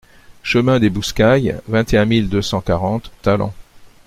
Chemin des Boussecailles, vingt et un mille deux cent quarante Talant